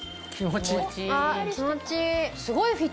あっ気持ちいい。